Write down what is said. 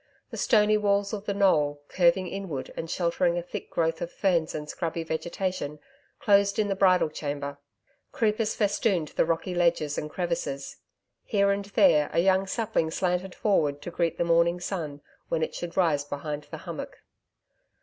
The stony walls of the knoll, curving inward and sheltering a thick growth of ferns and scrubby vegetation, closed in the bridal chamber. Creepers festooned the rocky ledges and crevices. Here and there, a young sapling slanted forward to greet the morning sun when it should rise behind the hummock.